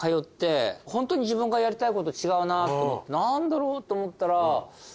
ホントに自分がやりたいこと違うなと思って何だろうって思ったら何か。